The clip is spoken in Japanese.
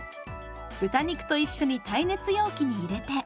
豚肉と一緒に耐熱容器に入れて。